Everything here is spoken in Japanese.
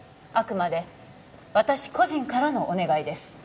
あくまで私個人からのお願いです